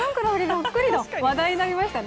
そっくりと話題になりましたね